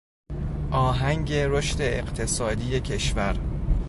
آهنگ رشد اقتصادی کشور